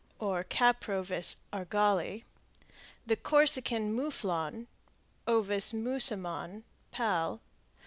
or Caprovis argali); the Corsican mouflon (O. musimon, Pal.)